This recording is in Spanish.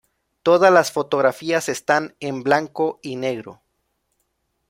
Todas las fotografías esta en Blanco y negro.